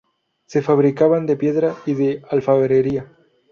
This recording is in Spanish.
Se fabricaban de piedra y de alfarería.